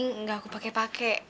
nggak aku pake pake